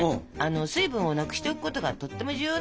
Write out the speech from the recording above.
水分をなくしておくことがとっても重要なの。